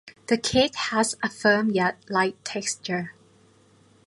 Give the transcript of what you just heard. The cake has a firm yet light texture.